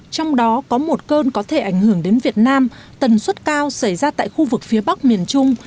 trong đó có một cơn có thể ảnh hưởng đến việt nam tần suất cao xảy ra tại khu vực phía bắc miền trung